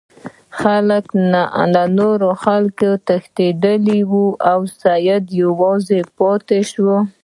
نور خلک تښتیدلي وو او سید یوازې پاتې شو.